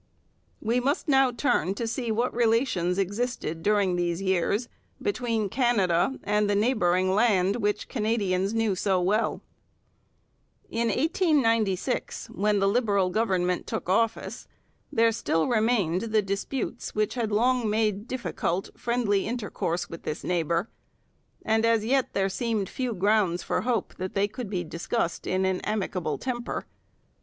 We must now turn to see what relations existed during these years between Canada and the neighbouring land which Canadians knew so well. In 1896, when the Liberal Government took office, there still remained the disputes which had long made difficult friendly intercourse with this neighbour; and as yet there seemed few grounds for hope that they could be discussed in an amicable temper.